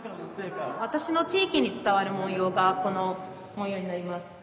わたしの地域に伝わる文様がこの文様になります。